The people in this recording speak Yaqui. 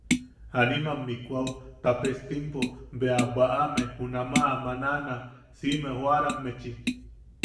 Animam mikwao tapestimpo bea bwaʼame junamaʼa manaʼana siʼime joʼaramme-chi.